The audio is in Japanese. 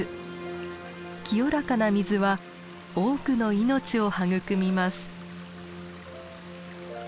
清らかな水は多くの命を育みます。